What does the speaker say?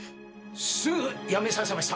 すぐやめさせました。